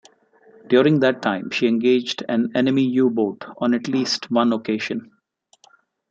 During that time, she engaged an enemy U-boat on at least one occasion.